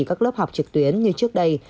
các lớp học trực tuyến như trước đây